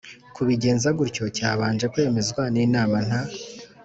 kubigenza gutyo cyabanje kwemezwa n inama nta